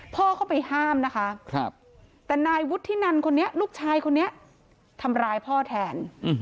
เข้าไปห้ามนะคะแต่นายวุฒินันคนนี้ลูกชายคนนี้ทำร้ายพ่อแทน